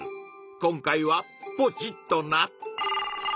今回はポチッとな！